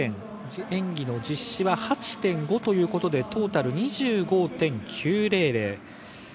演技の実施は８．５ということでトータル２５．９００。